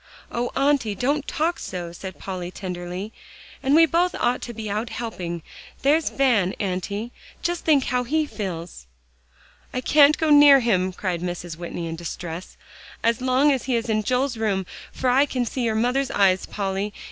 "Oh, Auntie! don't talk so," said Polly tenderly; "and we both ought to be out helping. There's Van, Auntie; just think how he feels." "I can't go near him," cried Mrs. Whitney in distress, "as long as he is in Joel's room, for I can see your mother's eyes, Polly.